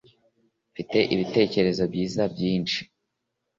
mfite ibitekerezo byiza byinshi